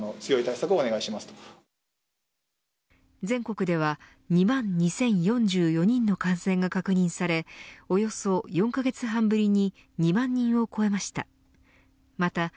全国では２万２０４４人の感染が確認されおよそ４カ月半ぶりに２万人を超えました。